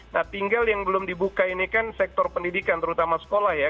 nah tinggal yang belum dibuka ini kan sektor pendidikan terutama sekolah ya